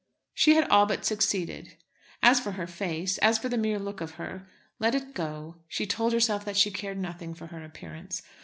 She had all but succeeded; as for her face, as for the mere look of her, let it go. She told herself that she cared nothing for her appearance.